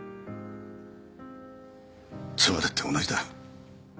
妻だって同じだ。